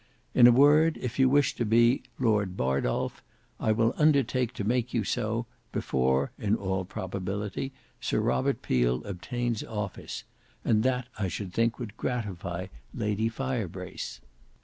In a word, if you wish to be Lord Bardolf, I will undertake to make you so, before, in all probability, Sir Robert Peel obtains office; and that I should think would gratify Lady Firebrace."